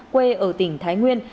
quê ở tỉnh thái nguyên